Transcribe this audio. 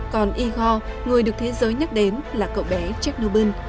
còn igor người được thế giới nhắc đến là cậu bé chénobyl